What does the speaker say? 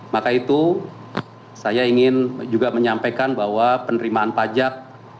maka itu saya ingin juga menyampaikan bahwa penerimaan pajak